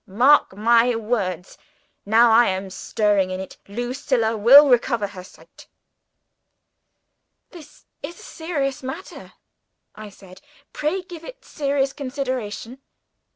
Mark my words! Now I am stirring in it, Lucilla will recover her sight." "This is a serious matter," I said. "Pray give it serious consideration."